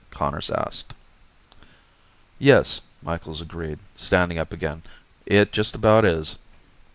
Conners asked. "Yes," Micheals agreed, standing up again. "It just about is."